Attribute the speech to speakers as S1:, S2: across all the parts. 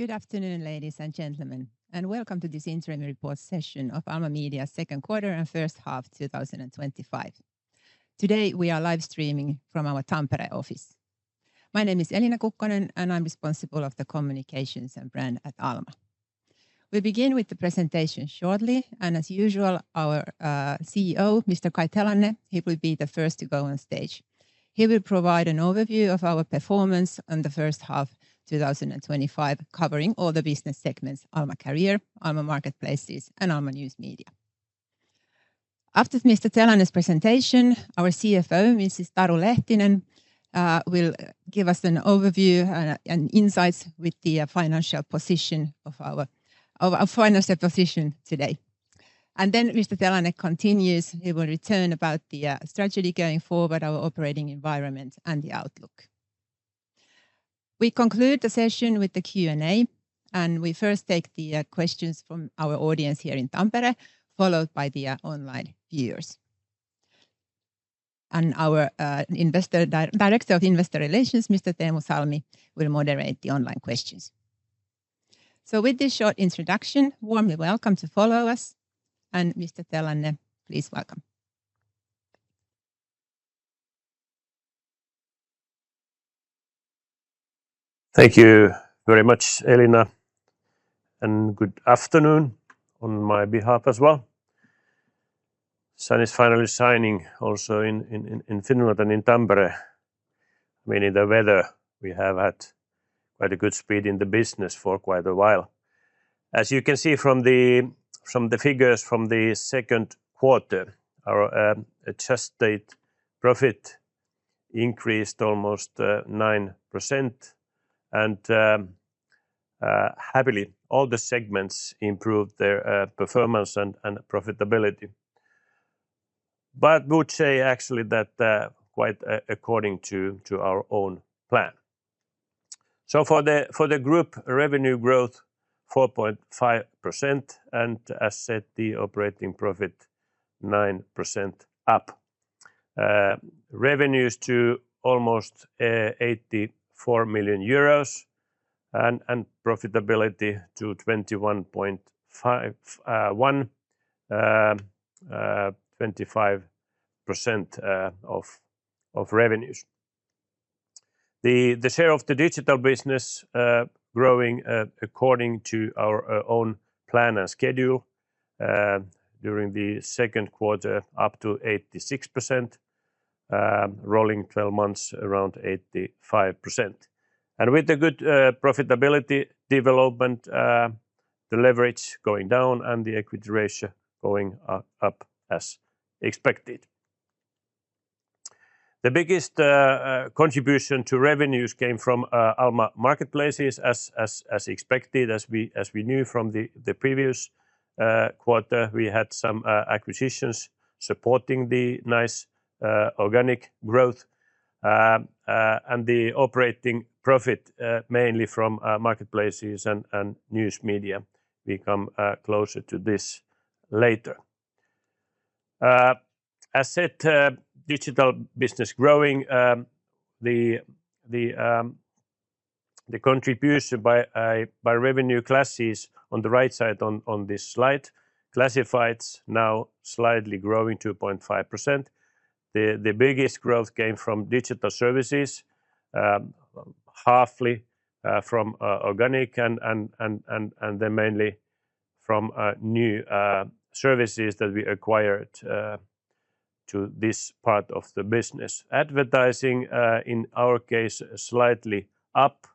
S1: Good afternoon, ladies and gentlemen, and welcome to this Interim Report Session of Alma Media's Second Quarter and First Half 2025. Today, we are live streaming from our Tampere office. My name is Elina Kukkonen, and I'm responsible for the Communications and Brand at Alma. We'll begin with the presentation shortly, and as usual, our CEO, Mr. Kai Telanne, will be the first to go on stage. He will provide an overview of our performance in the first half of 2025, covering all the business segments: Alma Career, Alma Marketplaces, and Alma News Media. After Mr. Telanne's presentation, our CFO, Mrs. Taru Lehtinen, will give us an overview and insights on the financial position of our financial position today. Mr. Telanne continues. He will return about the strategy going forward, our operating environment, and the outlook. We conclude the session with the Q&A, and we first take the questions from our audience here in Tampere, followed by the online viewers. Our Director of Investor Relations, Mr. Teemu Salmi, will moderate the online questions. With this short introduction, warmly welcome to follow us. Mr. Telanne, please welcome.
S2: Thank you very much, Elina, and good afternoon on my behalf as well. Sun is finally shining also in Finland and in Tampere. Meaning the weather, we have had quite a good speed in the business for quite a while. As you can see from the figures from the second quarter, our adjusted profit increased almost 9%, and happily, all the segments improved their performance and profitability. I would say actually that quite according to our own plan. For the group, revenue growth 4.5%, and as said, the operating profit 9% up. Revenues to almost 84 million euros and profitability to EUR 21.1 million, 25% of revenues. The share of the digital business growing according to our own plan and schedule during the second quarter up to 86%, rolling 12 months around 85%. With the good profitability development, the leverage going down and the equity ratio going up as expected. The biggest contribution to revenues came from Alma Marketplaces, as expected. As we knew from the previous quarter, we had some acquisitions supporting the nice organic growth and the operating profit mainly from Marketplaces and News Media. We'll come closer to this later. Digital business growing. The contribution by revenue classes on the right side on this slide, Classifieds now slightly growing 2.5%. The biggest growth came from digital services, halfly from organic, and then mainly from new services that we acquired to this part of the business. Advertising, in our case, slightly up.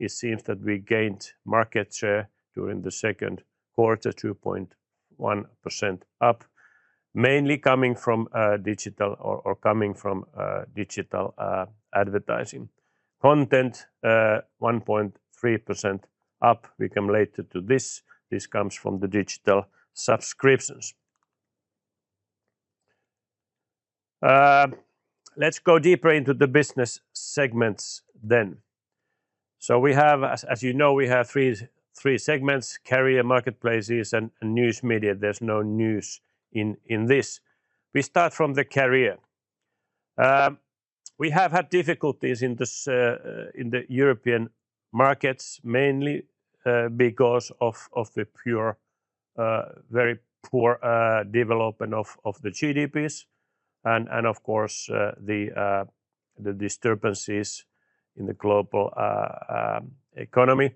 S2: It seems that we gained market share during the second quarter, 2.1% up, mainly coming from digital or coming from digital advertising. Content 1.3% up. We'll come later to this. This comes from the digital subscriptions. Let's go deeper into the business segments then. We have, as you know, we have three segments: Career, Marketplaces, and News Media. There's no news in this. We start from the Career. We have had difficulties in the European markets, mainly because of the very poor development of the GDPs and, of course, the disturbances in the global economy.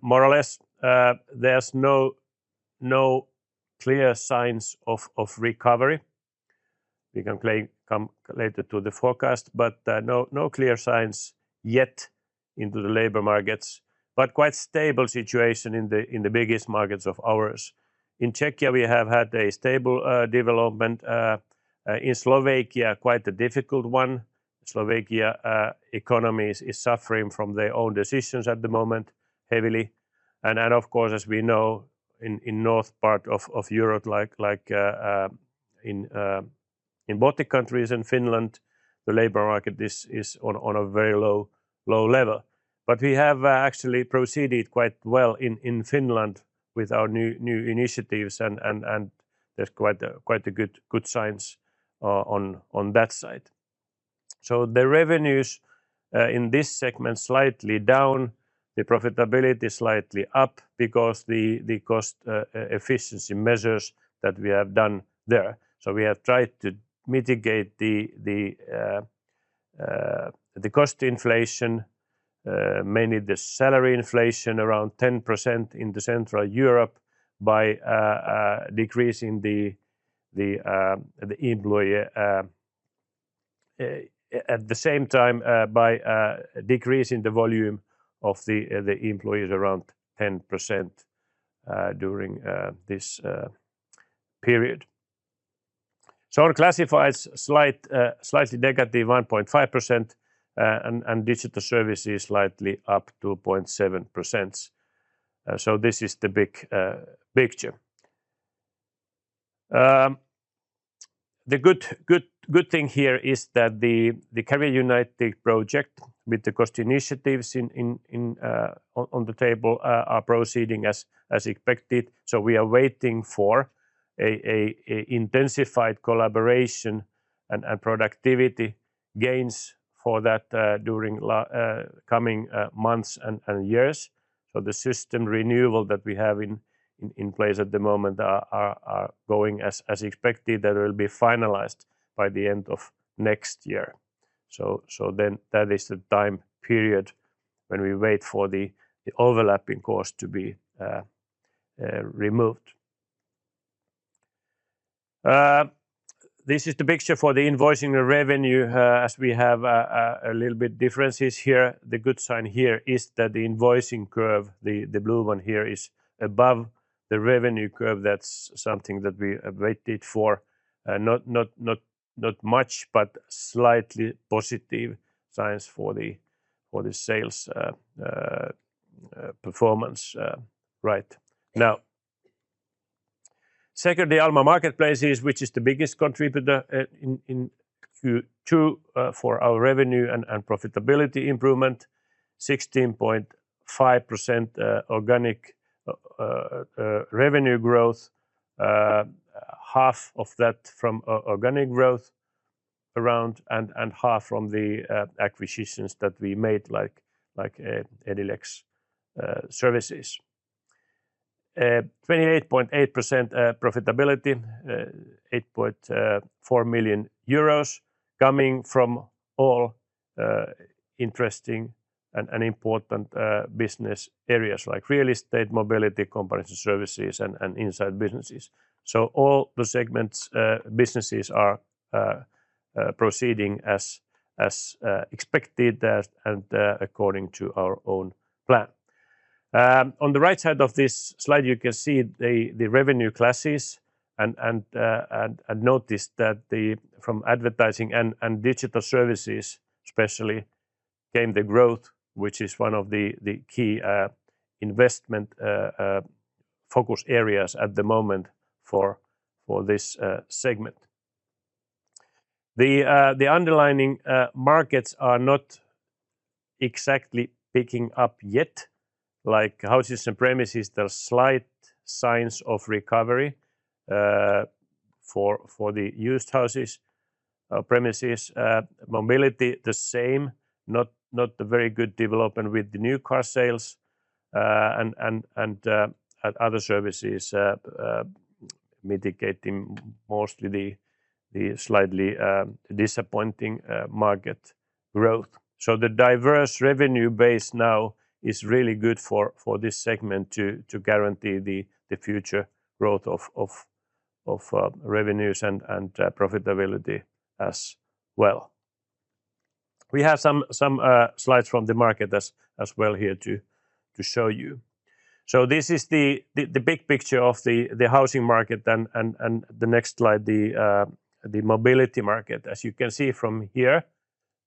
S2: More or less, there's no clear signs of recovery. We can come later to the forecast, but no clear signs yet in the labor markets, but quite a stable situation in the biggest markets of ours. In Czechia, we have had a stable development. In Slovakia, quite a difficult one. The Slovakia economy is suffering from their own decisions at the moment heavily. Of course, as we know, in the north part of Europe, like in Baltic countries and Finland, the labor market is on a very low level. We have actually proceeded quite well in Finland with our new initiatives, and there's quite a good sign on that side. The revenues in this segment are slightly down. The profitability is slightly up because of the cost efficiency measures that we have done there. We have tried to mitigate the cost inflation, mainly the salary inflation around 10% in Central Europe, by decreasing the employee. At the same time, by decreasing the volume of the employees around 10% during this period. Our Classifieds slightly -1.5%, and digital services slightly up, 2.7%. This is the big picture. The good thing here is that the Career United project with the cost initiatives on the table are proceeding as expected. We are waiting for intensified collaboration and productivity gains for that during the coming months and years. The system renewal that we have in place at the moment is going as expected. That will be finalized by the end of next year. That is the time period when we wait for the overlapping cost to be removed. This is the picture for the invoicing revenue. As we have a little bit of differences here, the good sign here is that the invoicing curve, the blue one here, is above the revenue curve. That's something that we waited for. Not much, but slightly positive signs for the sales performance right now. Second, the Alma Marketplaces, which is the biggest contributor in Q2 for our revenue and profitability improvement, 16.5% organic revenue growth, half of that from organic growth around, and half from the acquisitions that we made, like Edilex Services. 28.8% profitability, 8.4 million euros coming from all interesting and important business areas like real estate, mobility, comparative services, and inside businesses. All the segments, businesses are proceeding as expected and according to our own plan. On the right side of this slide, you can see the revenue classes and notice that from advertising and digital services, especially, came the growth, which is one of the key investment focus areas at the moment for this segment. The underlying markets are not exactly picking up yet. Like houses and premises, there are slight signs of recovery for the used houses premises. Mobility, the same. Not a very good development with the new car sales and other services mitigating mostly the slightly disappointing market growth. The diverse revenue base now is really good for this segment to guarantee the future growth of revenues and profitability as well. We have some slides from the market as well here to show you. This is the big picture of the housing market. The next slide, the mobility market. As you can see from here,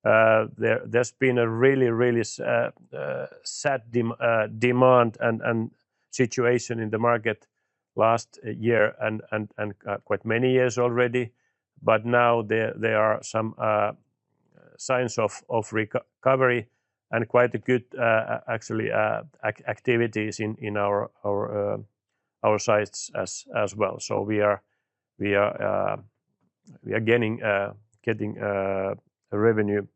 S2: there's been a really, really sad demand and situation in the market last year and quite many years already. There are some signs of recovery and quite a good, actually, activities in our sides as well. We are getting revenue,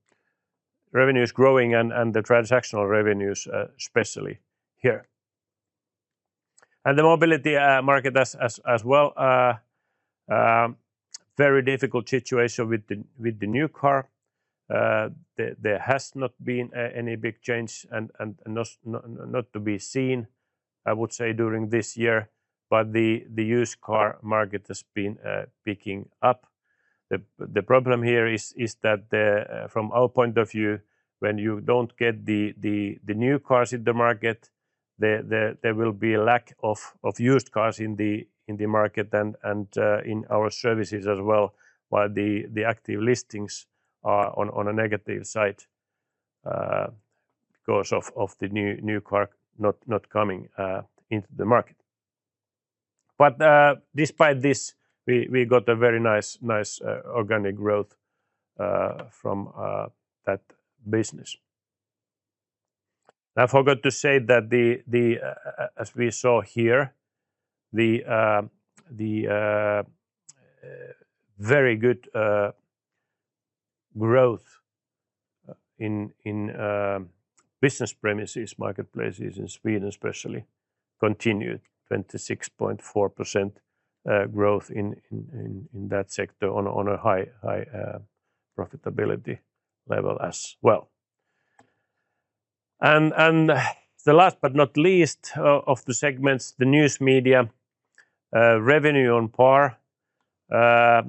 S2: revenues growing, and the transactional revenues especially here. The mobility market as well. Very difficult situation with the new car. There has not been any big change and not to be seen, I would say, during this year. The used car market has been picking up. The problem here is that from our point of view, when you don't get the new cars in the market, there will be a lack of used cars in the market and in our services as well. While the active listings are on a negative side because of the new car not coming into the market. Despite this, we got a very nice organic growth from that business. I forgot to say that, as we saw here, the very good growth in business premises, Marketplaces in Sweden especially, continued 26.4% growth in that sector on a high profitability level as well. The last but not least of the segments, the News Media, revenue on par, but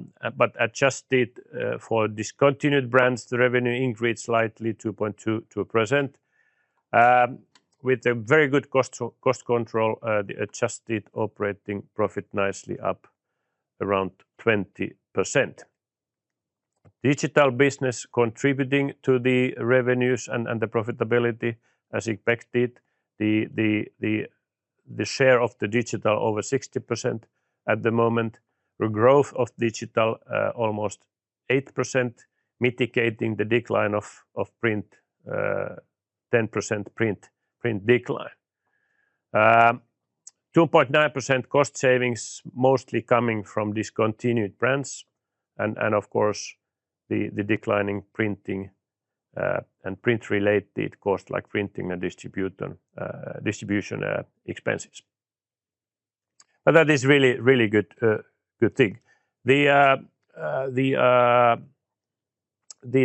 S2: adjusted for discontinued brands. The revenue increased slightly 2.2%. With a very good cost control, the adjusted operating profit nicely up around 20%. Digital business contributing to the revenues and the profitability as expected. The share of the digital over 60% at the moment. The growth of digital almost 8%, mitigating the decline of print, 10% print decline. 2.9% cost savings mostly coming from discontinued brands. Of course, the declining printing and print-related costs like printing and distribution expenses. That is a really, really good thing. The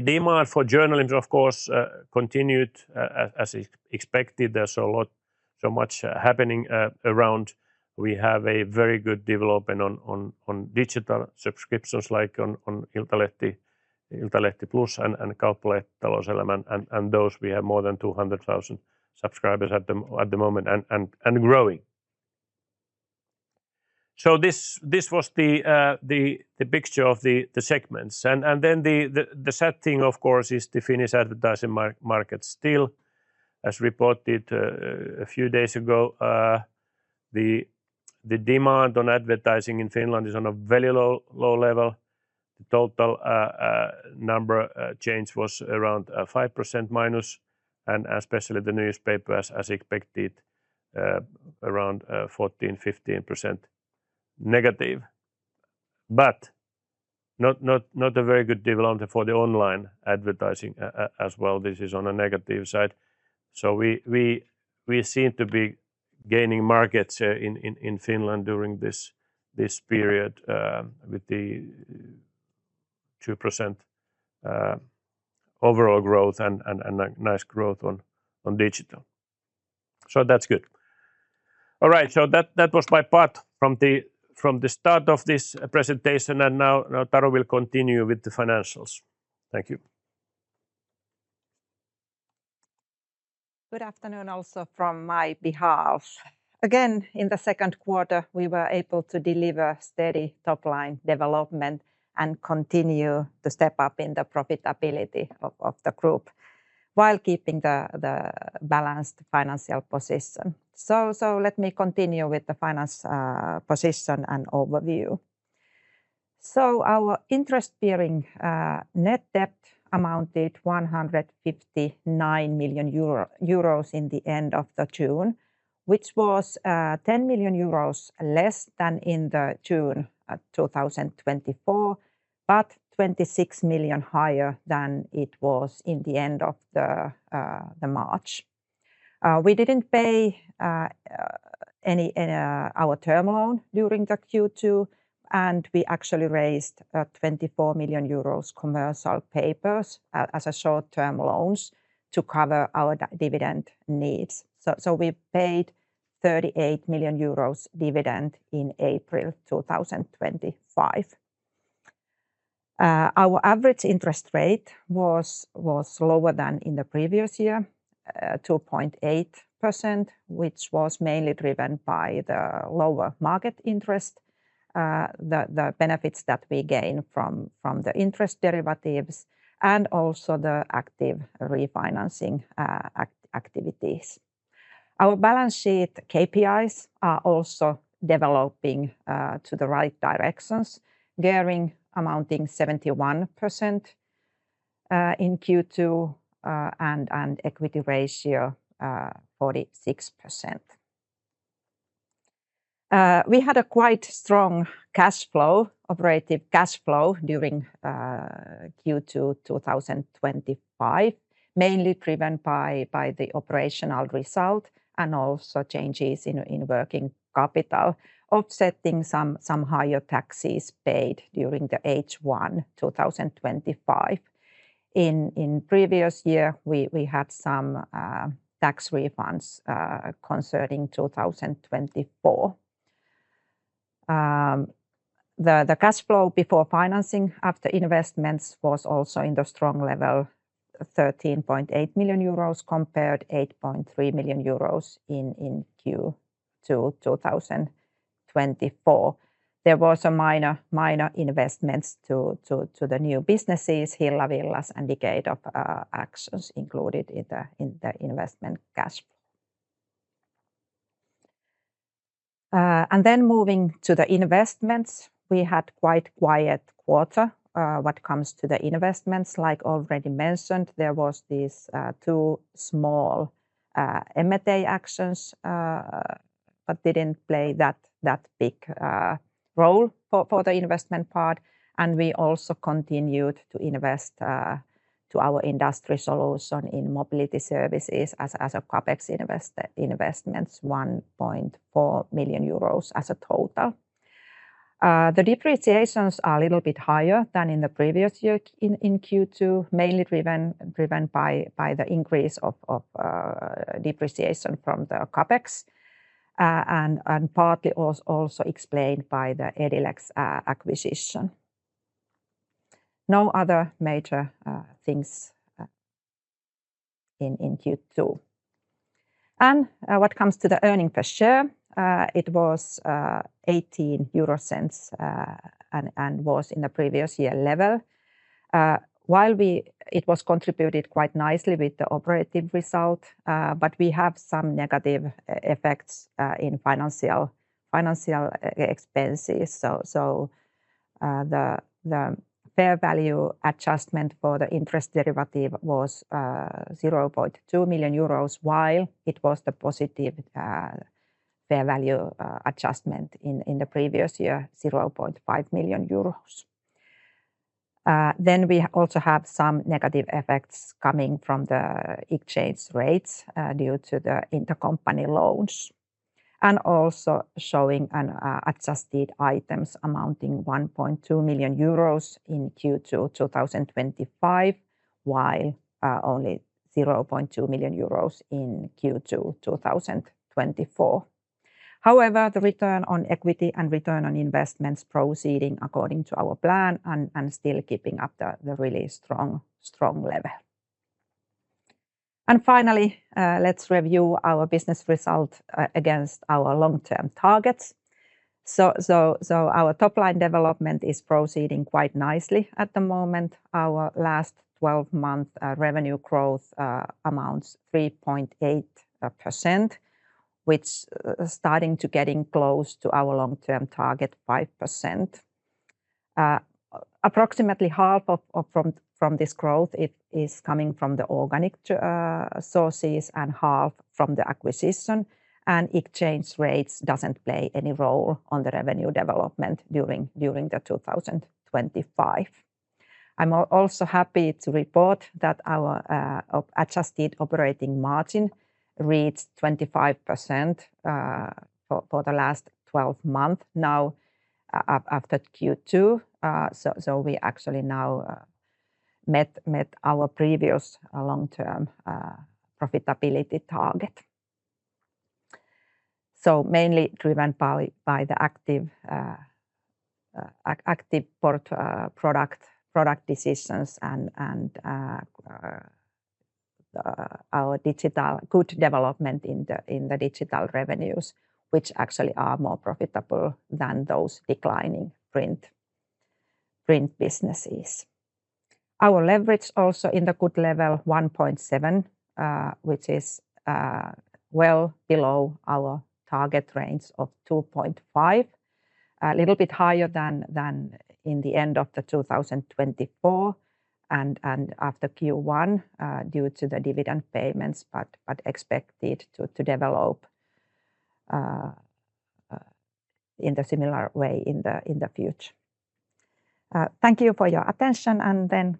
S2: demand for journalism, of course, continued as expected. There's so much happening around. We have a very good development on digital subscriptions like on Iltalehti Plus and Kauppalehti Talouselämä. We have more than 200,000 subscribers at the moment and growing. This was the picture of the segments. The sad thing, of course, is the Finnish advertising market still. As reported a few days ago, the demand on advertising in Finland is on a very low level. The total number change was around -5%. Especially the newspapers, as expected, around -14%, -15%. Not a very good development for the online advertising as well. This is on a negative side. We seem to be gaining market share in Finland during this period with the 2% overall growth and a nice growth on digital. That's good. All right. That was my part from the start of this presentation. Now Taru will continue with the financials. Thank you.
S3: Good afternoon also from my behalf. Again, in the second quarter, we were able to deliver steady top-line development and continue to step up in the profitability of the group while keeping the balanced financial position. Let me continue with the finance position and overview. Our interest-bearing net debt amounted to 159 million euro at the end of June, which was 10 million euros less than in June 2024, but 26 million higher than it was at the end of March. We didn't pay any of our term loan during Q2, and we actually raised 24 million euros in commercial papers as short-term loans to cover our dividend needs. We paid 38 million euros dividend in April 2025. Our average interest rate was lower than in the previous year, 2.8%, which was mainly driven by the lower market interest, the benefits that we gained from the interest derivatives, and also the active refinancing activities. Our balance sheet KPIs are also developing in the right directions, gearing amounting to 71% in Q2 and equity ratio 46%. We had a quite strong operating cash flow during Q2 2025, mainly driven by the operational result and also changes in working capital, offsetting some higher taxes paid during H1 2025. In the previous year, we had some tax refunds concerning 2024. The cash flow before financing after investments was also at a strong level, 13.8 million euros compared to 8.3 million euros in Q2 2024. There were some minor investments to the new businesses, Hilla Villas and Decade of Actions, included in the investment cash flow. Moving to the investments, we had quite a quiet quarter when it comes to the investments. Like already mentioned, there were these two small M&A actions, but they didn't play that big a role for the investment part. We also continued to invest in our industry solution in mobility services as a CapEx investment, 1.4 million euros as a total. The depreciations are a little bit higher than in the previous year in Q2, mainly driven by the increase of depreciation from the CapEx and partly also explained by the Edilex acquisition. No other major things in Q2. When it comes to the earnings per share, it was 0.18 and was at the previous year level. While it was contributed quite nicely with the operating result, we have some negative effects in financial expenses. The fair value adjustment for the interest derivative was 0.2 million euros, while it was the positive fair value adjustment in the previous year, 0.5 million euros. We also have some negative effects coming from the exchange rates due to the intercompany loans and also showing adjusted items amounting to 1.2 million euros in Q2 2025, while only 0.2 million euros in Q2 2024. However, the return on equity and return on investments is proceeding according to our plan and still keeping up the really strong level. Finally, let's review our business result against our long-term targets. Our top-line development is proceeding quite nicely at the moment. Our last 12-month revenue growth amounts to 3.8%, which is starting to get close to our long-term target, 5%. Approximately half of this growth is coming from the organic sources and half from the acquisition. Exchange rates don't play any role in the revenue development during 2025. I'm also happy to report that our adjusted operating margin reached 25% for the last 12 months now after Q2. We actually now met our previous long-term profitability target, mainly driven by the active product decisions and our good development in the digital revenues, which actually are more profitable than those declining print businesses. Our leverage is also in the good level, 1.7%, which is well below our target range of 2.5%. A little bit higher than in the end of 2024 and after Q1 due to the dividend payments, but expected to develop in a similar way in the future. Thank you for your attention.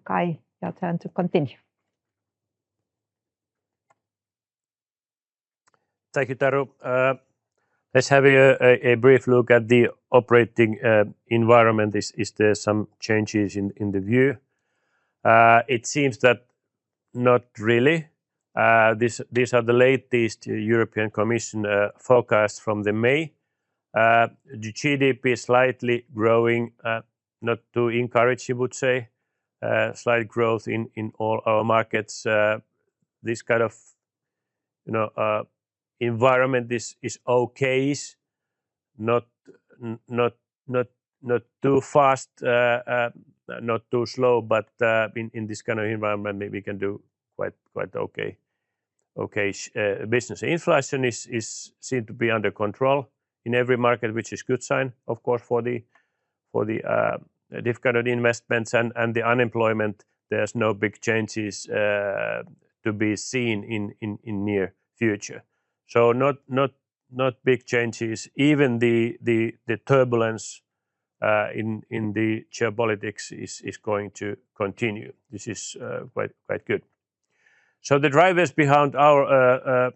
S3: Kai, your turn to continue.
S2: Thank you, Taru. Let's have a brief look at the operating environment. Is there some changes in the view? It seems that not really. These are the latest European Commission forecasts from May. GDP is slightly growing, not too encouraging, I would say. Slight growth in all our markets. This kind of environment is okay, not too fast, not too slow, but in this kind of environment, we can do quite okay. Business inflation seems to be under control in every market, which is a good sign, of course, for the different kinds of investments and the unemployment. There's no big changes to be seen in the near future, not big changes. Even the turbulence in the geopolitics is going to continue. This is quite good. The drivers behind our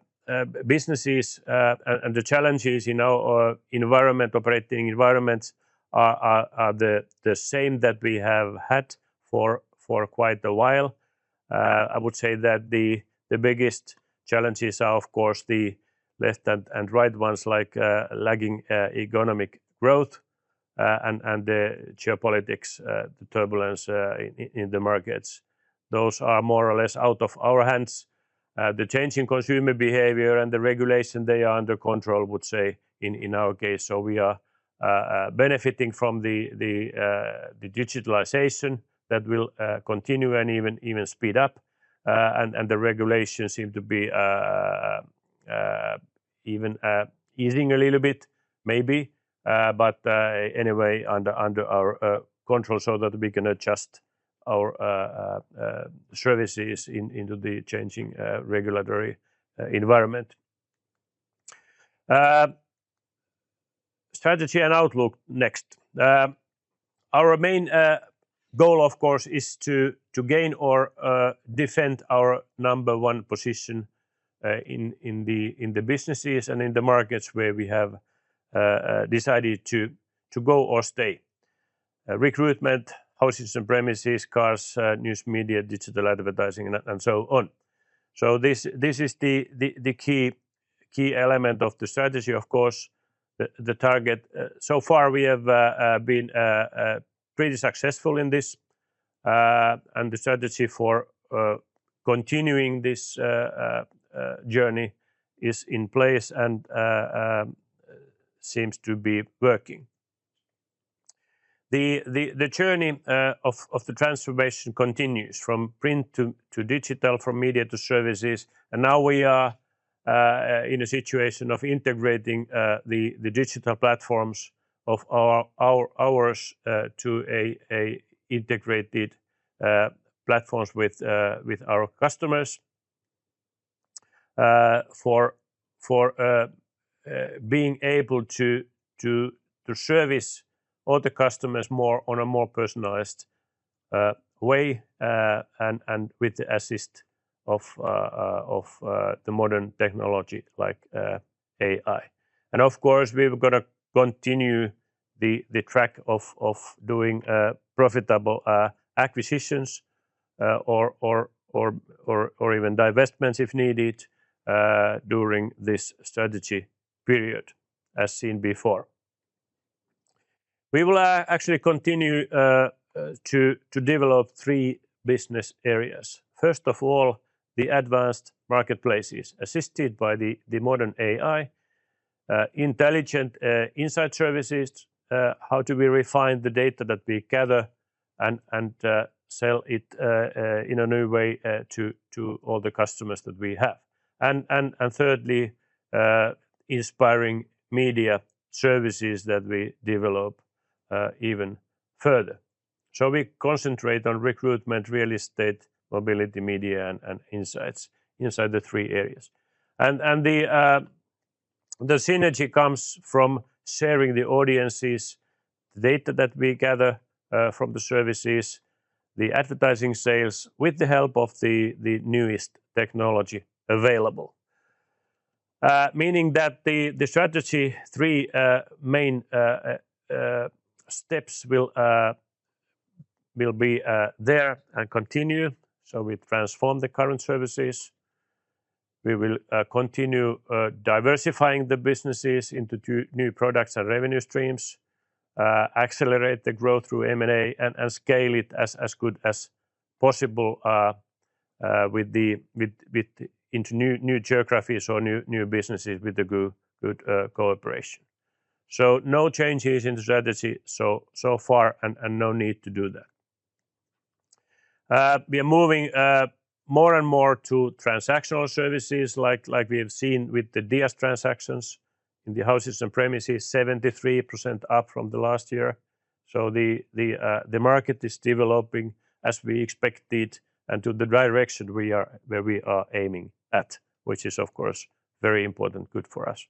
S2: businesses and the challenges in our operating environments are the same that we have had for quite a while. I would say that the biggest challenges are, of course, the left and right ones, like lagging economic growth and the geopolitics, the turbulence in the markets. Those are more or less out of our hands. The changing consumer behavior and the regulation, they are under control, I would say, in our case. We are benefiting from the digitalization that will continue and even speed up. The regulations seem to be even easing a little bit, maybe. Anyway, under our control so that we can adjust our services into the changing regulatory environment. Strategy and outlook next. Our main goal, of course, is to gain or defend our number one position in the businesses and in the markets where we have decided to go or stay: recruitment, houses and premises, cars, news media, digital advertising, and so on. This is the key element of the strategy, of course, the target. So far, we have been pretty successful in this. The strategy for continuing this journey is in place and seems to be working. The journey of the transformation continues from print to digital, from media to services. Now we are in a situation of integrating the digital platforms of ours to integrated platforms with our customers for being able to service all the customers more in a more personalized way and with the assist of the modern technology like AI. Of course, we've got to continue the track of doing profitable acquisitions or even divestments if needed during this strategy period, as seen before. We will actually continue to develop three business areas. First of all, the advanced marketplaces assisted by the modern AI, intelligent insight services, how to refine the data that we gather and sell it in a new way to all the customers that we have. Thirdly, inspiring media services that we develop even further. We concentrate on recruitment, real estate, mobility, media, and insights inside the three areas. The synergy comes from sharing the audience's data that we gather from the services, the advertising sales with the help of the newest technology available. This means that the strategy, three main steps will be there and continue. We transform the current services. We will continue diversifying the businesses into new products and revenue streams, accelerate the growth through M&A, and scale it as good as possible with the new geographies or new businesses with the good cooperation. No changes in the strategy so far and no need to do that. We are moving more and more to transactional services, like we have seen with the DIAS transactions in the houses and premises, 73% up from the last year. The market is developing as we expected and to the direction where we are aiming at, which is, of course, very important, good for us.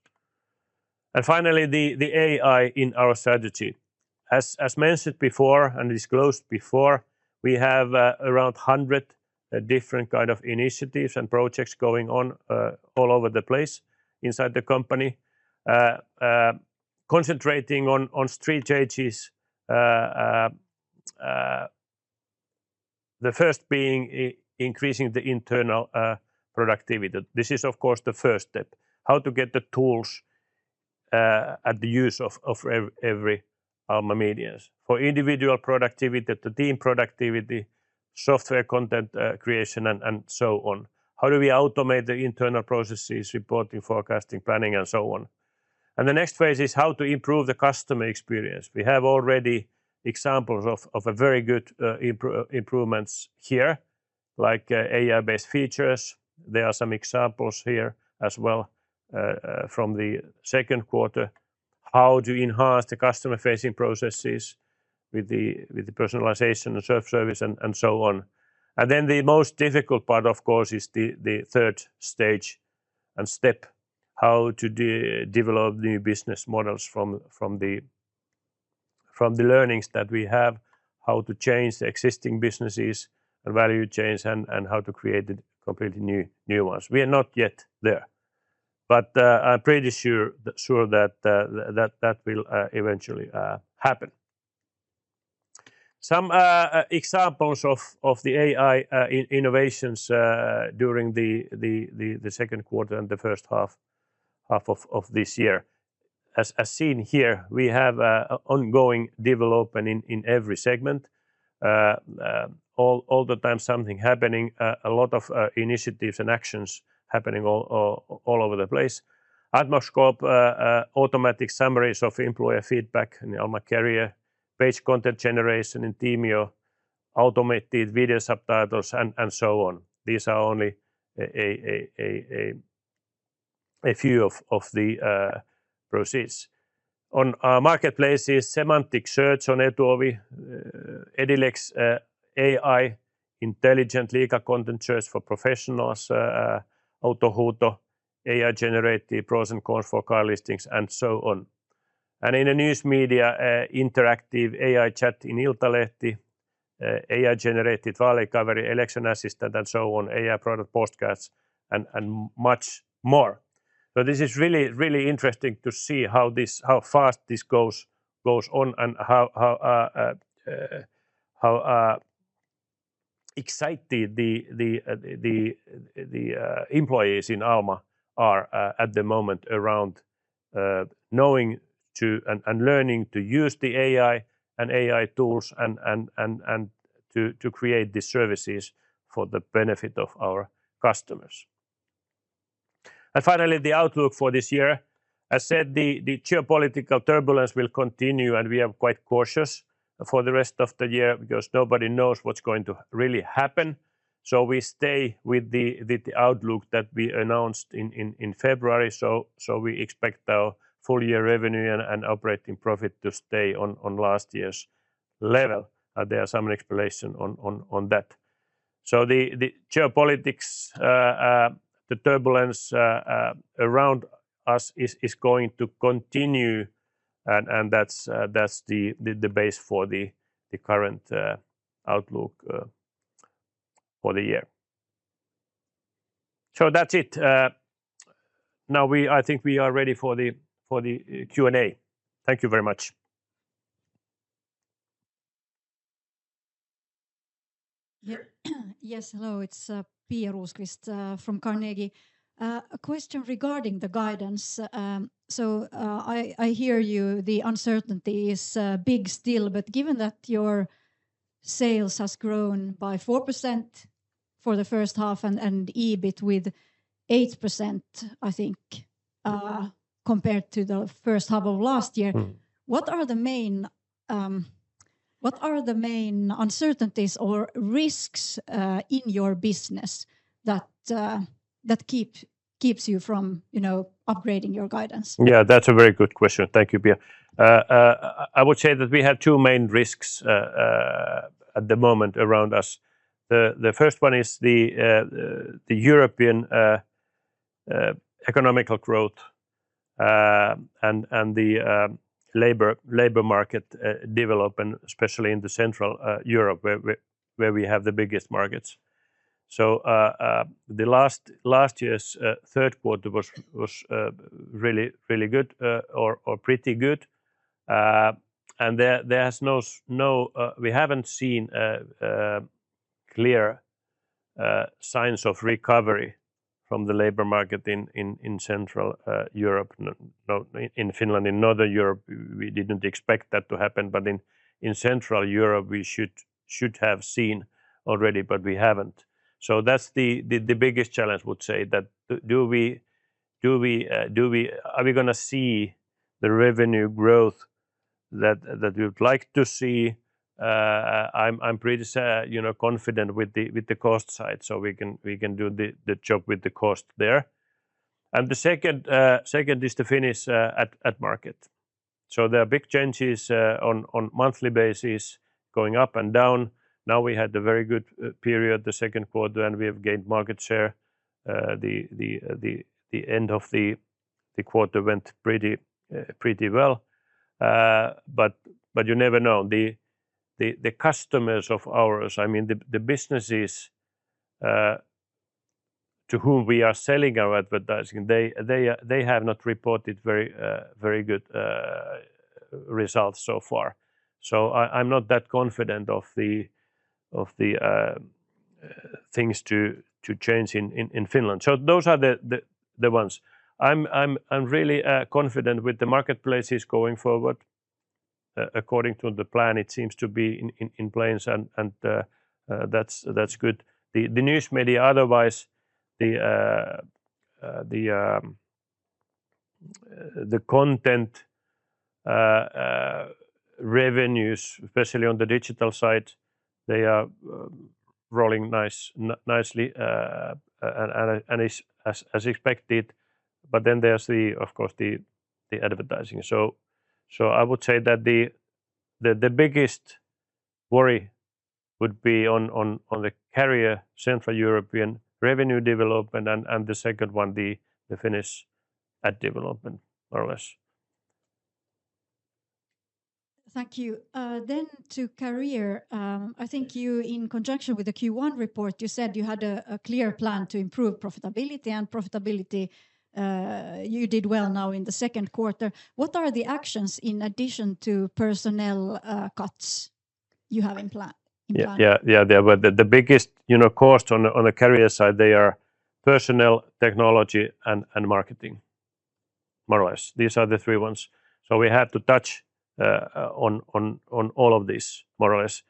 S2: Finally, the AI in our strategy. As mentioned before and disclosed before, we have around 100 different kinds of initiatives and projects going on all over the place inside the company, concentrating on three changes. The first being increasing the internal productivity. This is, of course, the first step. How to get the tools at the use of every Alma Media for individual productivity, the team productivity, software content creation, and so on. How do we automate the internal processes, reporting, forecasting, planning, and so on? The next phase is how to improve the customer experience. We have already examples of very good improvements here, like AI-based features. There are some examples here as well from the second quarter. How to enhance the customer-facing processes with the personalisation and self-service and so on. The most difficult part, of course, is the third stage and step, how to develop new business models from the learnings that we have, how to change the existing businesses and value chains, and how to create completely new ones. We are not yet there, but I'm pretty sure that that will eventually happen. Some examples of the AI innovations during the second quarter and the first half of this year. As seen here, we have ongoing development in every segment. All the time, something happening, a lot of initiatives and actions happening all over the place. Atmoskop, automatic summaries of employer feedback in Alma Career, page content generation in Teamio, automated video subtitles, and so on. These are only a few of the processes. On Marketplaces, semantic search on Edilex, AI, intelligent legal content search for professionals, Autohuuto, AI-generated pros and cons for car listings, and so on. In the News Media, interactive AI chat in Iltalehti, AI-generated valet coverage, election assistant, and so on, AI product postcards, and much more. This is really, really interesting to see how fast this goes on and how excited the employees in Alma are at the moment around knowing and learning to use the AI and AI tools and to create the services for the benefit of our customers. Finally, the outlook for this year. As said, the geopolitical turbulence will continue, and we are quite cautious for the rest of the year because nobody knows what's going to really happen. We stay with the outlook that we announced in February. We expect our full-year revenue and operating profit to stay on last year's level. There are some explanations on that. The geopolitics, the turbulence around us is going to continue, and that's the base for the current outlook for the year. That's it. Now I think we are ready for the Q&A. Thank you very much.
S4: Yes, hello. It's Pia Rosqvist from Carnegie. A question regarding the guidance. I hear you, the uncertainty is big still, but given that your sales have grown by 4% for the first half and EBIT with 8%, I think, compared to the first half of last year, what are the main uncertainties or risks in your business that keep you from upgrading your guidance?
S2: Yeah, that's a very good question. Thank you, Pia. I would say that we have two main risks at the moment around us. The first one is the European economic growth and the labor market development, especially in Central Europe, where we have the biggest markets. Last year's third quarter was really, really good or pretty good. We haven't seen clear signs of recovery from the labor market in Central Europe, in Finland, in Northern Europe. We didn't expect that to happen, but in Central Europe, we should have seen already, but we haven't. That's the biggest challenge, I would say, that do we, are we going to see the revenue growth that we would like to see? I'm pretty confident with the cost side, so we can do the job with the cost there. The second is the Finnish ad market. There are big changes on a monthly basis going up and down. Now we had a very good period, the second quarter, and we have gained market share. The end of the quarter went pretty well. You never know. The customers of ours, I mean, the businesses to whom we are selling our advertising, they have not reported very good results so far. I'm not that confident of the things to change in Finland. Those are the ones. I'm really confident with the marketplaces going forward. According to the plan, it seems to be in place, and that's good. The News Media, otherwise, the content revenues, especially on the digital side, they are growing nicely and as expected. Of course, the advertising. I would say that the biggest worry would be on the Career, Central European revenue development, and the second one, the Finnish ad development, more or less.
S4: Thank you. To Career, I think you, in conjunction with the Q1 report, said you had a clear plan to improve profitability, and profitability, you did well now in the second quarter. What are the actions in addition to personnel cuts you have in plan?
S2: The biggest cost on the Career side, they are personnel, technology, and marketing, more or less. These are the three ones. We had to touch on all of these, more or less.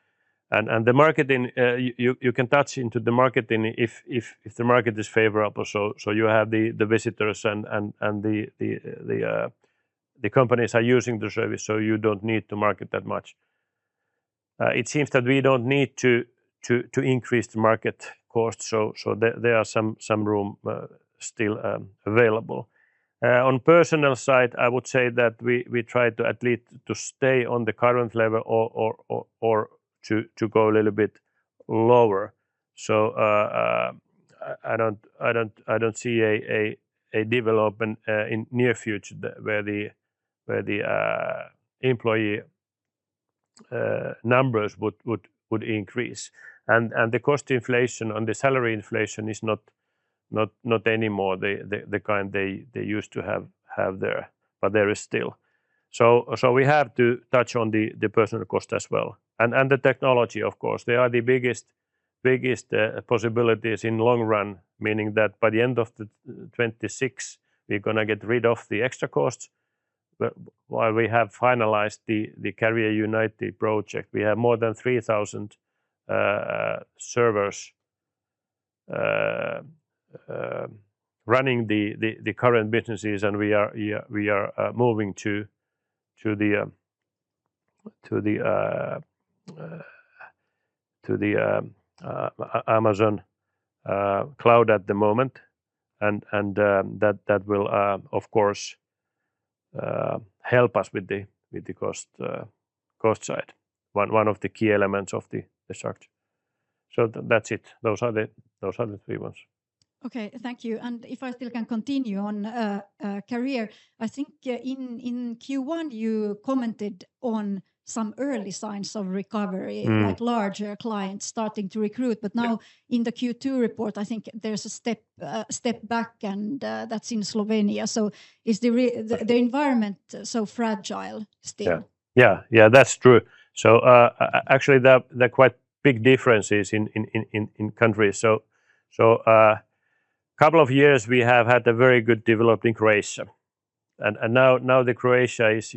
S2: The marketing, you can touch into the marketing if the market is favorable. You have the visitors, and the companies are using the service, so you don't need to market that much. It seems that we don't need to increase the market cost, so there is some room still available. On the personnel side, I would say that we try to at least stay on the current level or to go a little bit lower. I don't see a development in the near future where the employee numbers would increase. The cost inflation on the salary inflation is not anymore the kind they used to have there, but there is still. We have to touch on the personnel cost as well. The technology, of course, they are the biggest possibilities in the long run, meaning that by the end of 2026, we're going to get rid of the extra costs. While we have finalized the Career United project, we have more than 3,000 servers running the current businesses, and we are moving to the Amazon Cloud at the moment. That will, of course, help us with the cost side, one of the key elements of the structure. That's it. Those are the three ones.
S4: Thank you. If I still can continue on Career, I think in Q1, you commented on some early signs of recovery at large clients starting to recruit. In the Q2 report, I think there's a step back, and that's in Slovenia. Is the environment so fragile still?
S2: That's true. Actually, there are quite big differences in countries. A couple of years, we have had a very good development in Croatia. Now Croatia is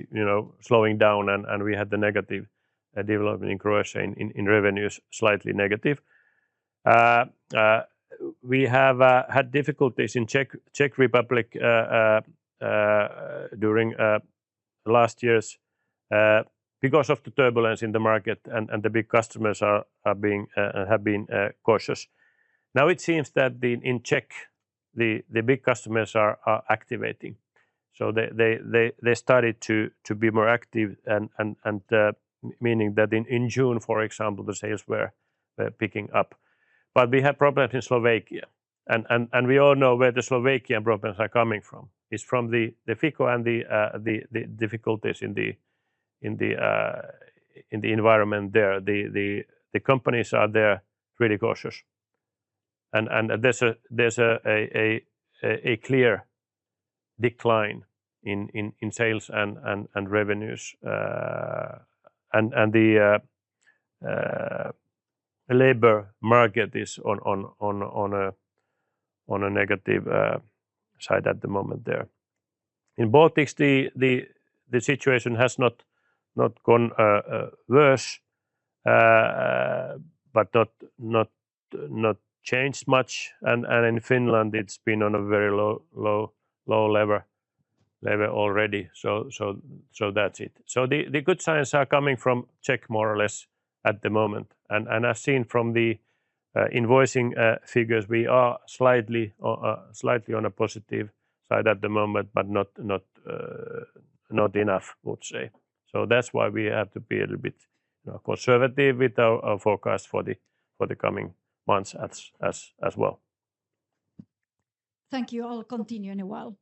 S2: slowing down, and we had negative development in Croatia in revenues, slightly negative. We have had difficulties in the Czech Republic during last year's because of the turbulence in the market, and the big customers have been cautious. Now it seems that in Czech, the big customers are activating. They started to be more active, meaning that in June, for example, the sales were picking up. We have problems in Slovakia. We all know where the Slovakian problems are coming from. It's from the FICO and the difficulties in the environment there. The companies are there really cautious. There's a clear decline in sales and revenues. The labor market is on a negative side at the moment there. In the Baltics, the situation has not gone worse, but not changed much. In Finland, it's been on a very low level already. The good signs are coming from Czech more or less at the moment. I've seen from the invoicing figures, we are slightly on a positive side at the moment, but not enough, I would say. That's why we have to be a little bit conservative with our forecast for the coming months as well.
S4: Thank you. I'll continue in a while.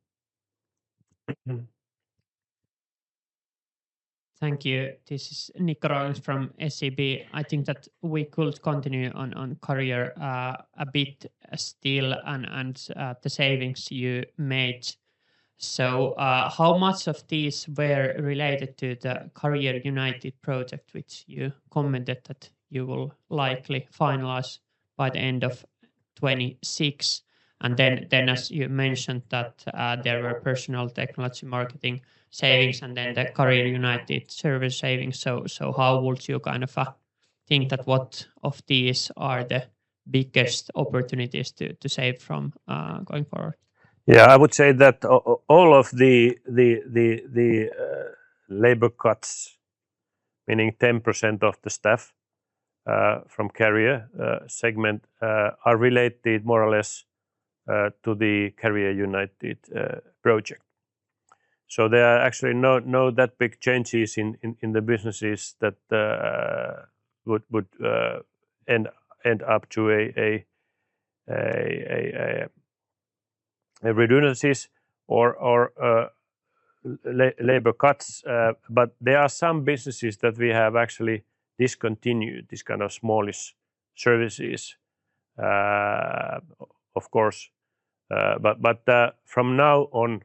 S5: Thank you. This is Nikko Ruokangas from SEB. I think that we could continue on Career a bit still and the savings you made. How much of these were related to the Career United project, which you commented that you will likely finalize by the end of 2026? As you mentioned, there were personnel, technology, marketing savings, and then the Career United service savings. How would you kind of think that what of these are the biggest opportunities to save from going forward?
S2: Yeah, I would say that all of the labor cuts, meaning 10% of the staff from the Career segment, are related more or less to the Career United project. There are actually no that big changes in the businesses that would end up to redundancies or labor cuts. There are some businesses that we have actually discontinued, these kind of smallish services, of course. From now on,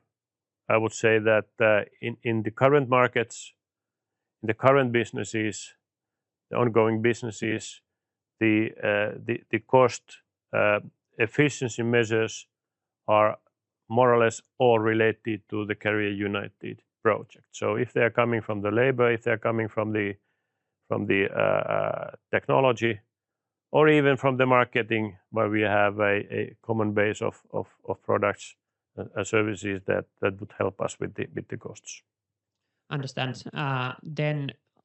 S2: I would say that in the current markets, in the current businesses, the ongoing businesses, the cost efficiency measures are more or less all related to the Career United project. If they are coming from the labor, if they are coming from the technology or even from the marketing where we have a common base of products and services that would help us with the costs.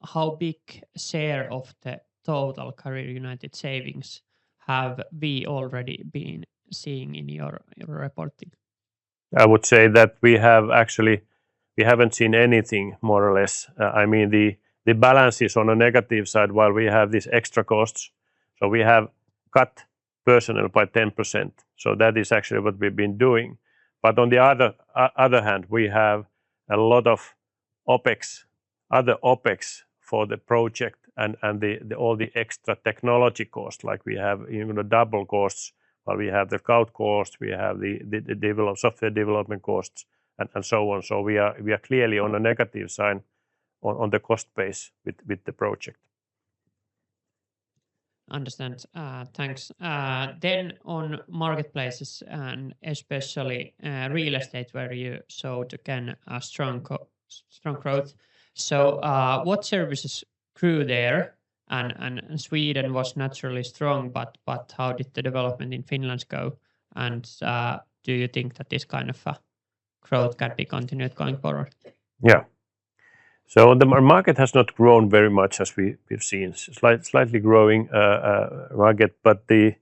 S5: How big share of the total Career United savings have we already been seeing in your reporting?
S2: I would say that we haven't seen anything more or less. I mean, the balance is on the negative side while we have these extra costs. We have cut personnel by 10%. That is actually what we've been doing. On the other hand, we have a lot of other OpEx for the project and all the extra technology costs. We have even the double costs, we have the cloud costs, we have the software development costs, and so on. We are clearly on the negative side on the cost base with the project.
S5: Thank you. On marketplaces and especially real estate, where you saw again a strong growth, what services grew there? Sweden was naturally strong, but how did the development in Finland go? Do you think that this kind of growth can be continued going forward?
S2: Yeah. The market has not grown very much as we've seen. It's a slightly growing market, but the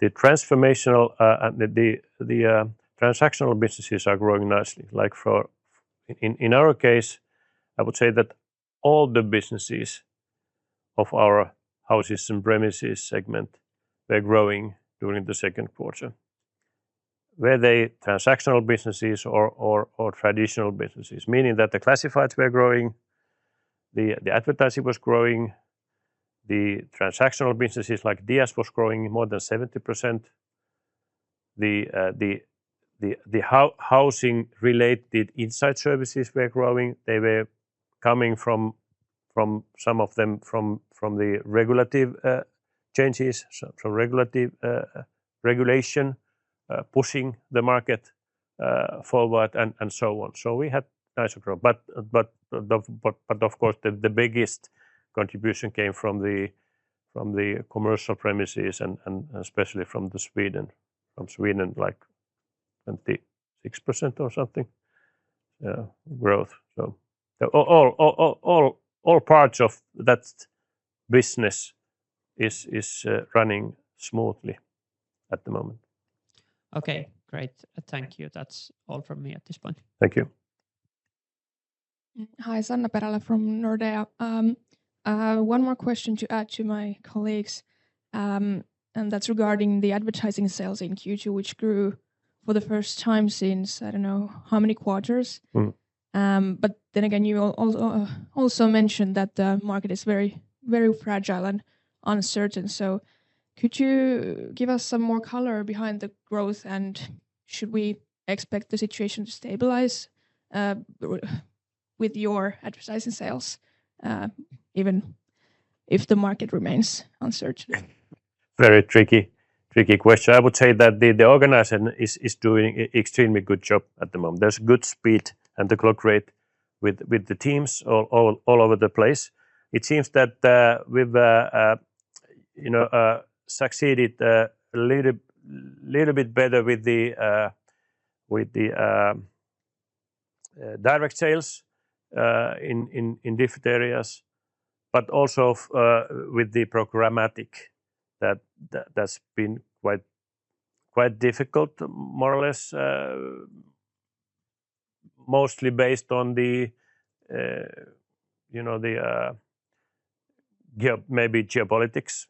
S2: transactional businesses are growing nicely. Like for in our case, I would say that all the businesses of our houses and premises segment were growing during the second quarter, whether transactional businesses or traditional businesses, meaning that the classifieds were growing, the advertising was growing, the transactional businesses like DS was growing more than 70%. The housing-related insight services were growing. They were coming from some of them from the regulative changes, so regulation pushing the market forward and so on. We had nice growth. Of course, the biggest contribution came from the commercial premises and especially from Sweden, like 26% or something growth. All parts of that business are running smoothly at the moment.
S5: Okay. Great. Thank you. That's all from me at this point.
S2: Thank you.
S6: Hi, Sanna Perälä from Nordea. One more question to add to my colleagues, and that's regarding the advertising sales in Q2, which grew for the first time since, I don't know how many quarters. You also mentioned that the market is very, very fragile and uncertain. Could you give us some more color behind the growth and should we expect the situation to stabilize with your advertising sales, even if the market remains uncertain?
S2: Very tricky, tricky question. I would say that the organization is doing an extremely good job at the moment. There's a good speed and the clock rate with the teams all over the place. It seems that we've succeeded a little bit better with the direct sales in different areas, but also with the programmatic that's been quite difficult, more or less, mostly based on maybe geopolitics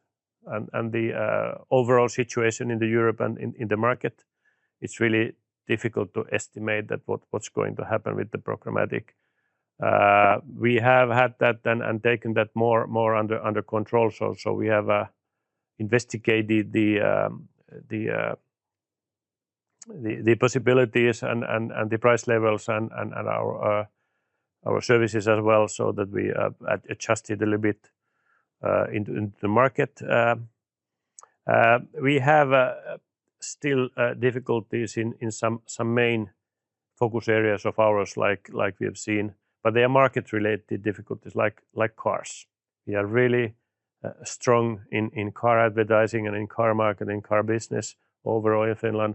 S2: and the overall situation in Europe and in the market. It's really difficult to estimate what's going to happen with the programmatic. We have had that and taken that more under control. We have investigated the possibilities and the price levels and our services as well so that we adjusted a little bit into the market. We have still difficulties in some main focus areas of ours, like we have seen, but they are market-related difficulties, like cars. We are really strong in car advertising and in car marketing, car business overall in Finland.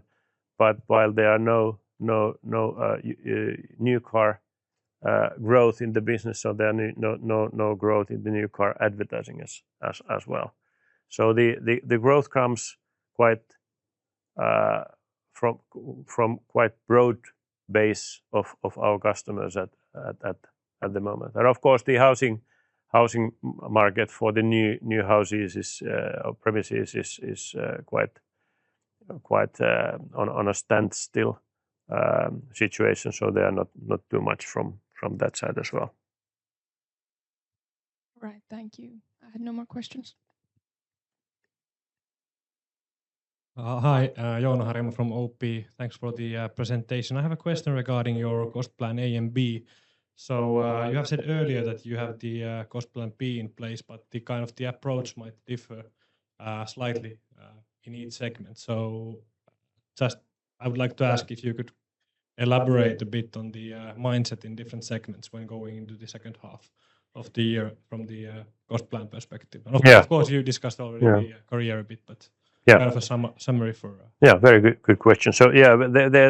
S2: While there is no new car growth in the business, there is no growth in the new car advertising as well. The growth comes from quite a broad base of our customers at the moment. Of course, the housing market for the new houses or premises is quite on a standstill situation, so there is not too much from that side as well.
S6: All right. Thank you. I had no more questions.
S7: Hi, Joona Harjama from OP. Thanks for the presentation. I have a question regarding your cost plan A and B. You have said earlier that you have the cost plan B in place, but the approach might differ slightly in each segment. I would like to ask if you could elaborate a bit on the mindset in different segments when going into the second half of the year from the cost plan perspective. Of course, you discussed already the Career a bit, but a summary for.
S2: Very good question. There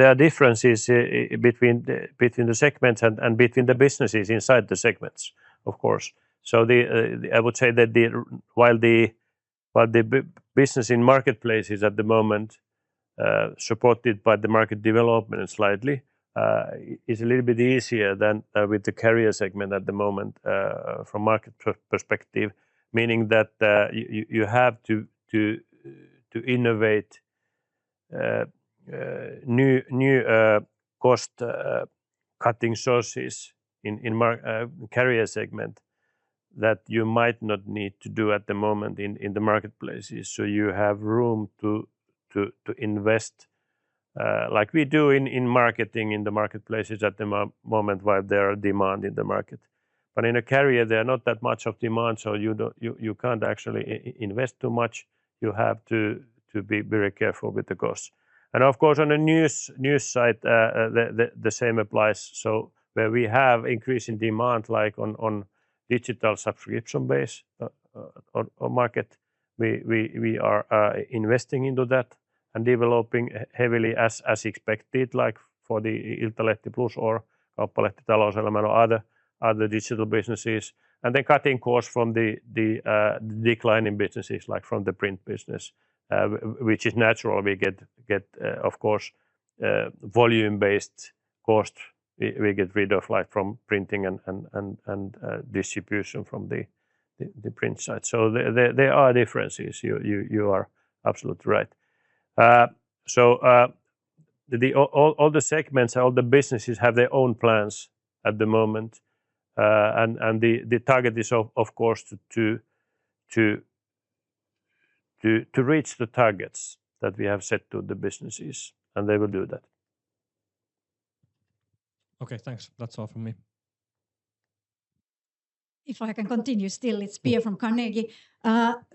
S2: are differences between the segments and between the businesses inside the segments, of course. I would say that while the business in Marketplaces at the moment is supported by the market development slightly, it's a little bit easier than with the Career segment at the moment from a market perspective, meaning that you have to innovate new cost-cutting sources in the Career segment that you might not need to do at the moment in the marketplaces. You have room to invest like we do in marketing in the marketplaces at the moment while there are demands in the market. In Career, there is not that much demand, so you can't actually invest too much. You have to be very careful with the costs. Of course, on the news side, the same applies. Where we have increasing demand, like on the digital subscription-based market, we are investing into that and developing heavily as expected, like for the Iltalehti Plus or Kauppalehti Talouselämä or other digital businesses. Then cutting costs from the declining businesses, like from the print business, which is natural. We get, of course, volume-based costs. We get rid of printing and distribution from the print side. There are differences. You are absolutely right. All the segments and all the businesses have their own plans at the moment. The target is, of course, to reach the targets that we have set to the businesses, and they will do that.
S7: Okay, thanks. That's all from me.
S4: If I can continue still, it's Pia from Carnegie.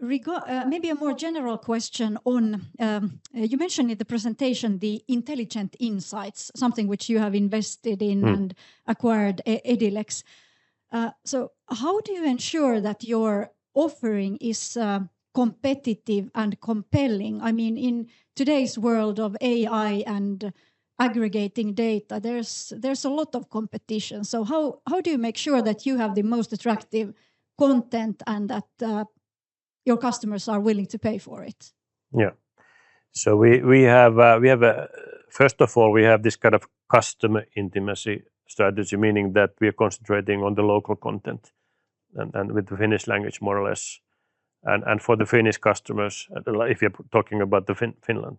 S4: Maybe a more general question on, you mentioned in the presentation the intelligent insights, something which you have invested in and acquired Edilex. How do you ensure that your offering is competitive and compelling? I mean, in today's world of AI and aggregating data, there's a lot of competition. How do you make sure that you have the most attractive content and that your customers are willing to pay for it?
S2: Yeah. First of all, we have this kind of customer intimacy strategy, meaning that we are concentrating on the local content and with the Finnish language, more or less. For the Finnish customers, if you're talking about Finland,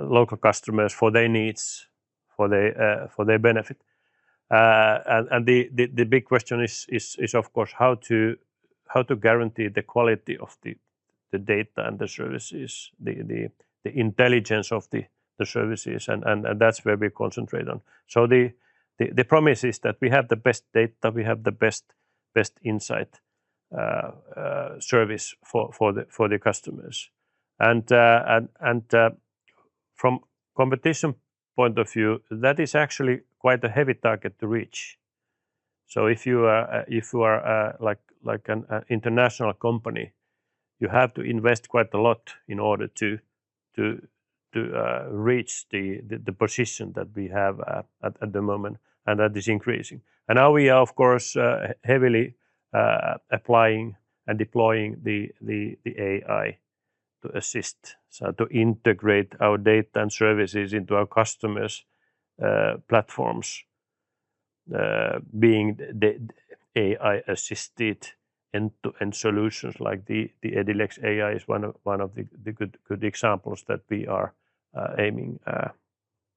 S2: local customers for their needs, for their benefit. The big question is, of course, how to guarantee the quality of the data and the services, the intelligence of the services. That's where we concentrate on. The promise is that we have the best data, we have the best insight service for the customers. From a competition point of view, that is actually quite a heavy target to reach. If you are like an international company, you have to invest quite a lot in order to reach the position that we have at the moment, and that is increasing. Now we are, of course, heavily applying and deploying the AI to assist, to integrate our data and services into our customers' platforms, being the AI-assisted end-to-end solutions. The Edilex AI is one of the good examples that we are aiming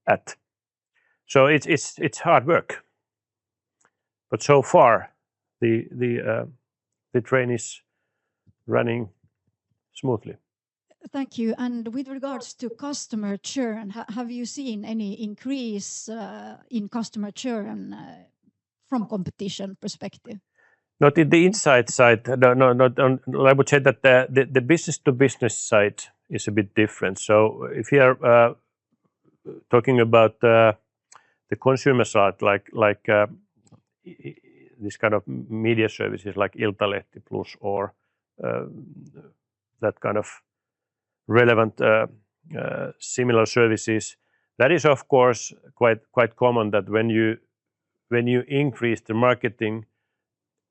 S2: at. It's hard work. So far, the train is running smoothly.
S4: Thank you. With regards to customer churn, have you seen any increase in customer churn from a competition perspective?
S2: Not in the inside side. I would say that the business-to-business side is a bit different. If you are talking about the consumer side, like these kind of media services, like Iltalehti Plus or that kind of relevant similar services, that is, of course, quite common that when you increase the marketing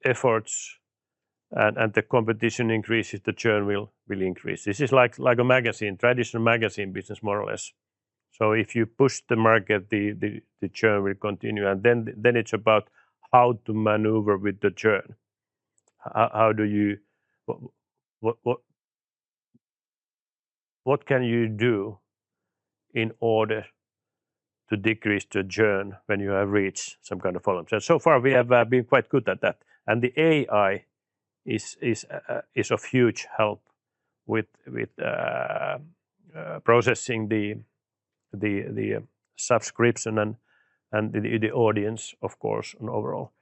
S2: efforts and the competition increases, the churn will increase. This is like a magazine, traditional magazine business, more or less. If you push the market, the churn will continue. It's about how to manoeuvre with the churn. What can you do in order to decrease the churn when you have reached some kind of problems? So far, we have been quite good at that. The AI is of huge help with processing the subscription and the audience, of course, and overall.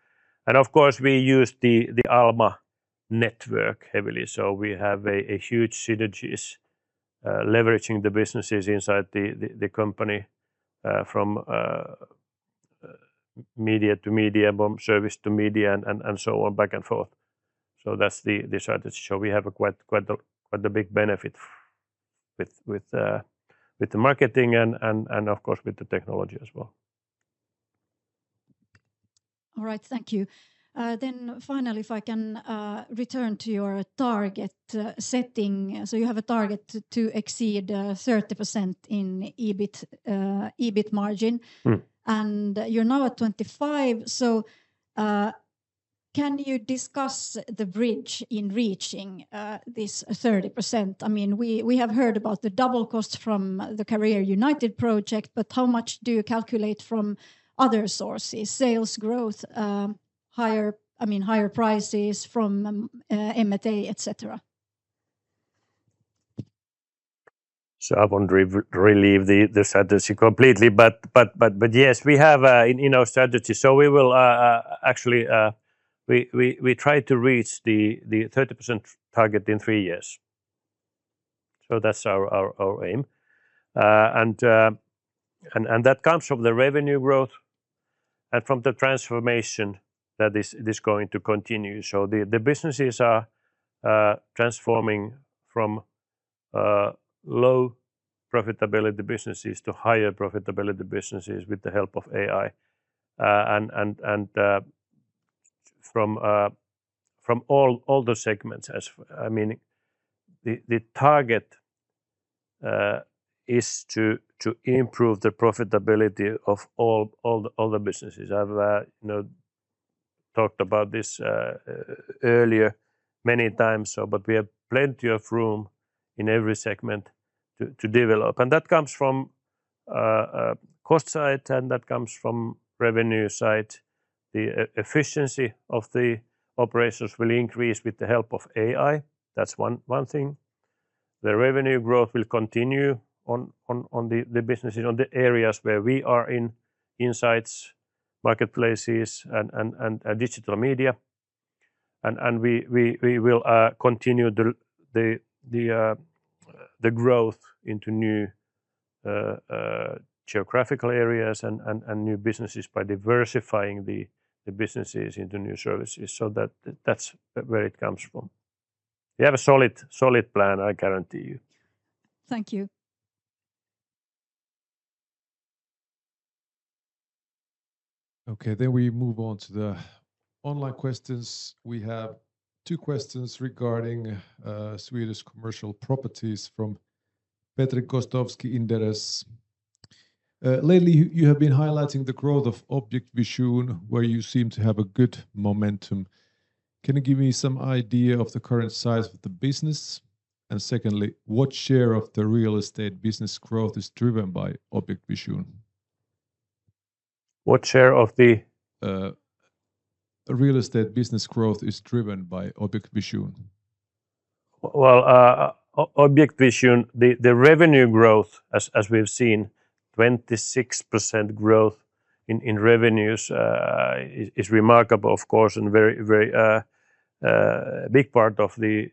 S2: Of course, we use the Alma network heavily. We have a huge synergy, leveraging the businesses inside the company from media to media, service to media, and so on, back and forth. That's the strategy. We have quite a big benefit with the marketing and, of course, with the technology as well.
S4: All right. Thank you. Finally, if I can return to your target setting, you have a target to exceed 30% in EBIT margin, and you're now at 25%. Can you discuss the bridge in reaching this 30%? I mean, we have heard about the double cost from the Career United project, but how much do you calculate from other sources, sales growth, higher prices from M&A, et cetera?
S2: I won't reveal the strategy completely, but yes, we have it in our strategy. We will actually try to reach the 30% target in three years. That's our aim, and that comes from the revenue growth and from the transformation that is going to continue. The businesses are transforming from low profitability businesses to higher profitability businesses with the help of AI and from all the segments. I mean, the target is to improve the profitability of all the businesses. I've talked about this earlier many times, but we have plenty of room in every segment to develop. That comes from the cost side, and that comes from the revenue side. The efficiency of the operations will increase with the help of AI. That's one thing. The revenue growth will continue on the businesses, on the areas where we are in insights, Marketplaces, and digital media. We will continue the growth into new geographical areas and new businesses by diversifying the businesses into new services. That's where it comes from. We have a solid plan, I guarantee you.
S4: Thank you.
S8: Okay. We move on to the online questions. We have two questions regarding Swedish commercial properties from Petri Gostowski, Inderes. Lately, you have been highlighting the growth of Objektvision, where you seem to have a good momentum. Can you give me some idea of the current size of the business? What share of the real estate business growth is driven by Objektvision?
S2: What share of the?
S8: Real estate business growth is driven by Objektvision.
S2: Objektvision, the revenue growth, as we've seen, 26% growth in revenues is remarkable, of course, and a very, very big part of the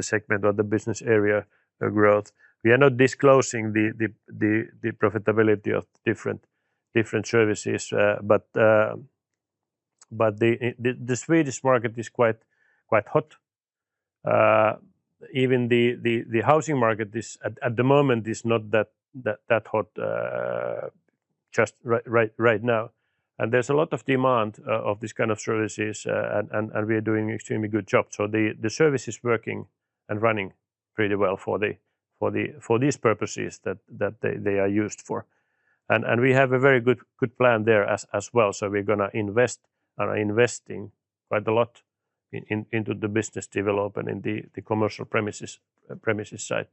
S2: segment or the business area growth. We are not disclosing the profitability of different services, but the Swedish market is quite hot. Even the housing market at the moment is not that hot just right now. There's a lot of demand of these kind of services, and we are doing an extremely good job. The service is working and running pretty well for these purposes that they are used for. We have a very good plan there as well. We are going to invest quite a lot into the business development in the commercial premises side,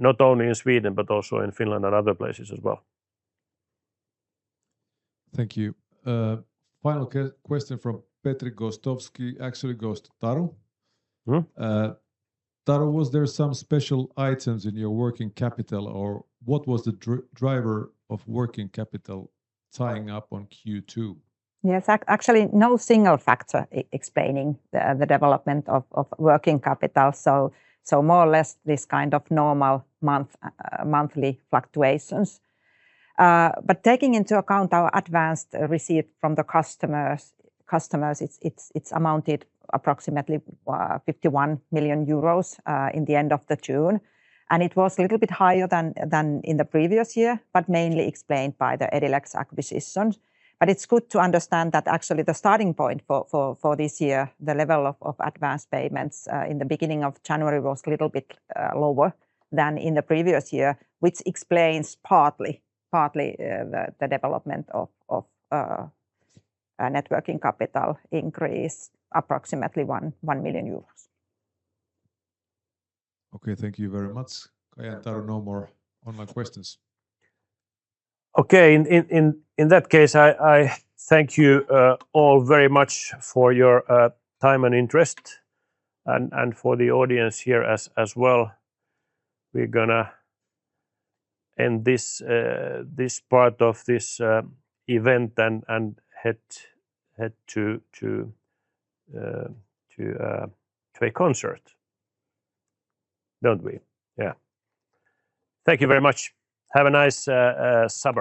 S2: not only in Sweden, but also in Finland and other places as well.
S8: Thank you. Final question from Petri Gostowski actually goes to Taru. Taru, was there some special items in your working capital, or what was the driver of working capital tying up on Q2?
S3: Yes, actually, no single factor explaining the development of working capital. More or less, this kind of normal monthly fluctuations. Taking into account our advanced receipt from the customers, it's amounted approximately 51 million euros at the end of June. It was a little bit higher than in the previous year, mainly explained by the Edilex acquisitions. It's good to understand that actually the starting point for this year, the level of advanced payments in the beginning of January, was a little bit lower than in the previous year, which explains partly the development of networking capital increase, approximately 1 million euros.
S8: Okay. Thank you very much. I don't know more online questions.
S2: Okay. In that case, I thank you all very much for your time and interest and for the audience here as well. We're going to end this part of this event and head to a concert, don't we? Yeah. Thank you very much. Have a nice summer.